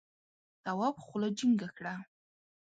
تواب خوله جینگه کړه.